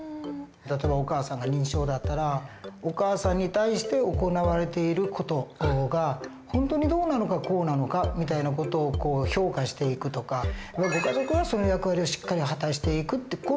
例えばお母さんが認知症だったらお母さんに対して行われている事が本当にどうなのかこうなのかみたいな事を評価していくとかご家族がその役割をしっかり果たしていくって